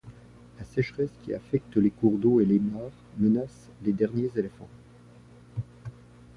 La sécheresse qui affecte les cours d’eau et les mares, menace les derniers éléphants.